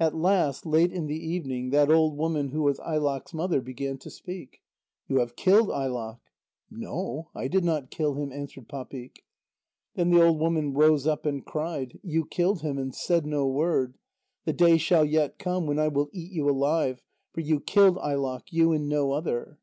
At last, late in the evening, that old woman who was Ailaq's mother began to speak. "You have killed Ailaq." "No, I did not kill him," answered Papik. Then the old woman rose up and cried: "You killed him, and said no word. The day shall yet come when I will eat you alive, for you killed Ailaq, you and no other."